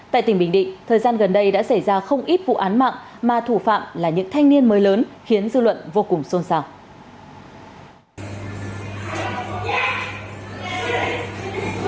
tại tỉnh bình định thời gian gần đây đã xảy ra không ít vụ án mạng mà thủ phạm là những thanh niên mới lớn khiến dư luận vô cùng xôn xào